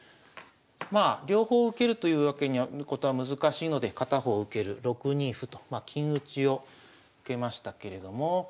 まあ両方受けるということは難しいので片方受ける６二歩とまあ金打ちを受けましたけれども。